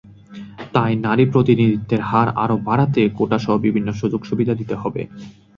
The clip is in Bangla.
তাই নারী প্রতিনিধিত্বের হার আরও বাড়াতে কোটাসহ বিভিন্ন সুযোগসুবিধা দিতে হবে।